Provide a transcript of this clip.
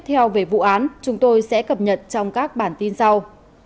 sau về vụ án chúng tôi sẽ cập nhật trong các bản tin sau